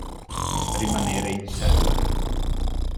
Rimanere in sella.